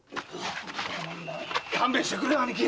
〔勘弁してくれよ兄貴！